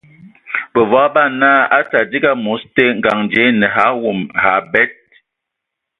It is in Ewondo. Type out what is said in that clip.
Bǝvɔg nye naa a tadigi amos te, ngaŋ dzie e ne ve awon, və abed.